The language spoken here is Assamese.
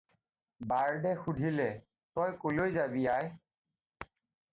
"বাৰ্ডে শুধিলে- "তই কলৈ যাবি, আই?"